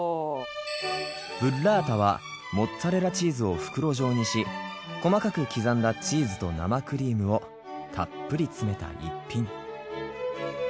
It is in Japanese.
ブッラータはモッツァレラチーズを袋状にし細かく刻んだチーズと生クリームをたっぷり詰めた一品。